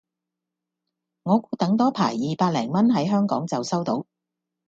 我估等多排二百零蚊喺香港就收到